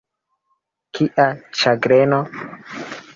Kia ĉagreno!